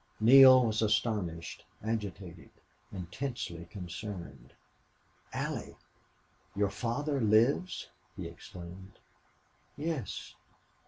Neale was astounded, agitated, intensely concerned. "Allie!... Your father lives!" he exclaimed. "Yes."